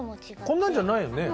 こんなんじゃないよね。